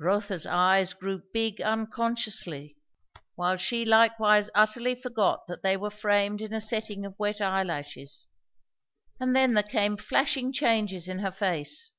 Rotha's eyes grew big unconsciously, while she likewise utterly forgot that they were framed in a setting of wet eyelashes; and then there came flashing changes in her face.